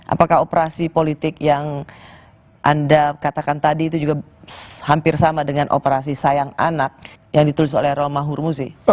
apakah operasi politik yang anda katakan tadi itu juga hampir sama dengan operasi sayang anak yang ditulis oleh roma hurmuzi